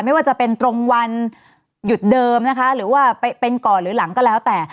ไม่ว่าจะเป็นตรงวันหยุดเดิมนะคะหรือว่าเป็นก่อนหรือหลังก็แล้วแต่